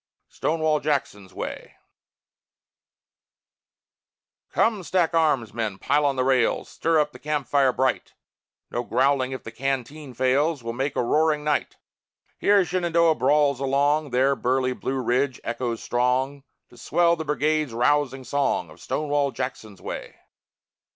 STONEWALL JACKSON'S WAY Come, stack arms, men! Pile on the rails, Stir up the camp fire bright; No growling if the canteen fails, We'll make a roaring night. Here Shenandoah brawls along, There burly Blue Ridge echoes strong, To swell the Brigade's rousing song Of "Stonewall Jackson's way."